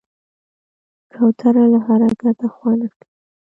کوتره له حرکته خوند اخلي.